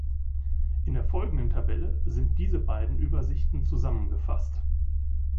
In der folgenden Tabelle sind diese beiden Übersichten zusammengefasst.